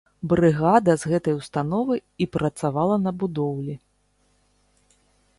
Брыгада з гэтай установы і працавала на будоўлі.